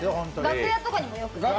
楽屋とかにもね。